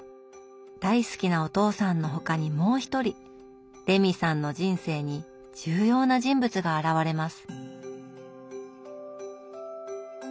大好きなお父さんの他にもう一人レミさんの人生に重要な人物が現れます。